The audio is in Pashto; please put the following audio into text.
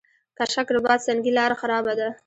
کشک رباط سنګي لاره خرابه ده؟